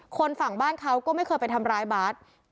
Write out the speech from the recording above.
ฝั่งบ้านเขาก็ไม่เคยไปทำร้ายบาท